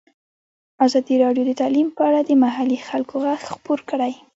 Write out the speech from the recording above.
ازادي راډیو د تعلیم په اړه د محلي خلکو غږ خپور کړی.